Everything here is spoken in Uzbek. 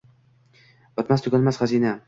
Bitmas-tuganmas xazina